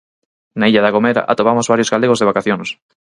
Na illa da Gomera atopamos varios galegos de vacacións.